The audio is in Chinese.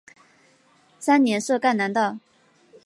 三年设赣南道。